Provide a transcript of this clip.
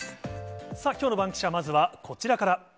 さあ、きょうのバンキシャ、まずは、こちらから。